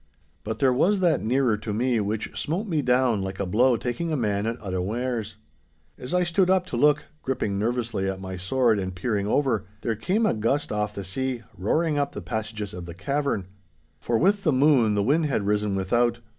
But there was that nearer to me which smote me down like a blow taking a man at unawares. As I stood up to look, gripping nervously at my sword and peering over, there came a gust off the sea, roaring up the passages of the cavern. For with the moon the wind had risen without.